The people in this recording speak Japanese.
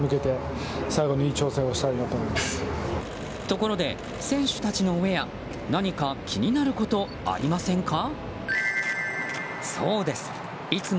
ところで選手たちのウェア何か気になることありませんか？